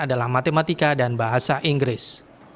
adalah matematika dan bahasa inggris